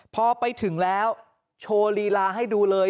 พอไปถึงแล้วโชว์ลีลาให้ดูเลย